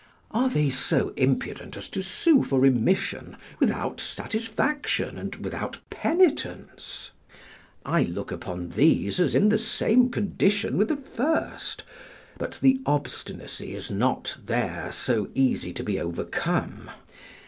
Are they so impudent as to sue for remission without satisfaction and without penitence? I look upon these as in the same condition with the first: but the obstinacy is not there so easy to be overcome.